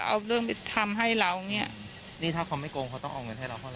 เอาเรื่องไปทำให้เราเนี่ยนี่ถ้าเขาไม่โกงเขาต้องเอาเงินให้เราเพราะไ